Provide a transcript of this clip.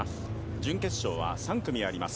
準決勝は３組あります。